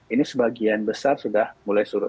ini sebagian besar sudah mulai surut